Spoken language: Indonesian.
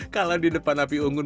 kalah di depan api unggun